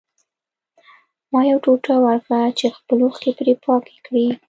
ما یو ټوټه ورکړه چې خپلې اوښکې پرې پاکې کړي